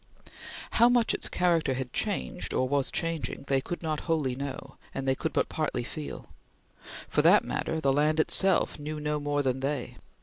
How much its character had changed or was changing, they could not wholly know, and they could but partly feel. For that matter, the land itself knew no more than they.